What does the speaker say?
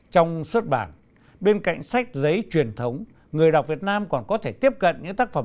trong xuất bản bên cạnh sách giấy truyền thống người đọc việt nam còn có thể tiếp cận những tác phẩm